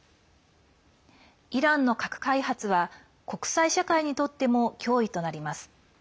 イランの核開発は国際社会にとっても脅威となります。